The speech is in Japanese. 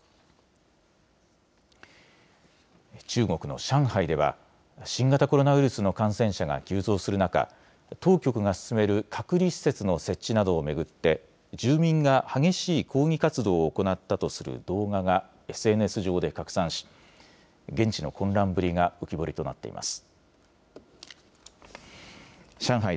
中国の上海では新型コロナウイルスの感染者が急増する中、当局が進める隔離施設の設置などを巡って住民が激しい抗議活動を行ったとする動画がＳＮＳ上で拡散し現地の混乱ぶりが浮き彫りとなっています。